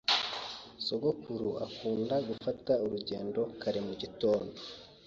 Sogokuru akunda gufata urugendo kare mu gitondo.